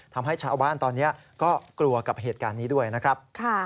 ทำให้ชาวบ้านตอนนี้ก็กลัวกับเหตุการณ์นี้ด้วยนะครับ